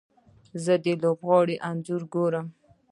زه د لوبغاړي انځور ګورم.